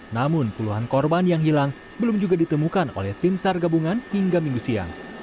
namun puluhan korban yang hilang belum juga ditemukan oleh tim sar gabungan hingga minggu siang